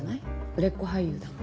売れっ子俳優だもん。